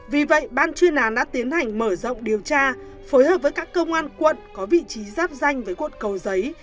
vì vậy ban chuyên án đã tiến hành mở rộng điều tra phối hợp với các công an quận có vị trí giáp danh với quận cầu giấy